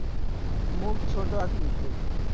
মুখ ছোট আকৃতির।